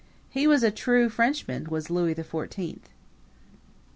He was a true Frenchman was Louis the Fourteenth.